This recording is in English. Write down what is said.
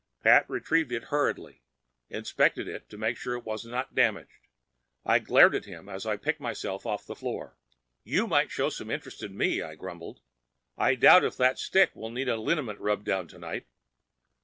Pat retrieved it hurriedly, inspected it to make sure it was not damaged. I glared at him as I picked myself off the floor. "You might show some interest in me," I grumbled. "I doubt if that stick will need a liniment rubdown tonight.